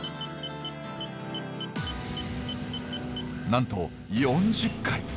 なんと４０回！